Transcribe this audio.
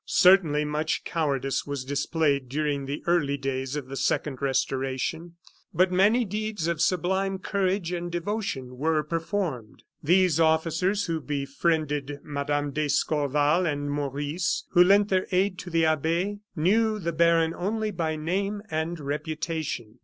Certainly much cowardice was displayed during the early days of the second Restoration; but many deeds of sublime courage and devotion were performed. These officers who befriended Mme. d'Escorval and Maurice who lent their aid to the abbe knew the baron only by name and reputation.